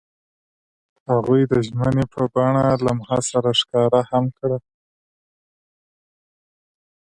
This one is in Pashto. هغوی د ژمنې په بڼه لمحه سره ښکاره هم کړه.